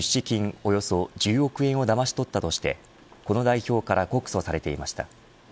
およそ１０億円をだまし取ったとしてこの代表から告訴されていました。